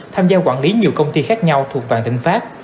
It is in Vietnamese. tham gia quản lý nhiều công ty khác nhau thuộc vàng tỉnh pháp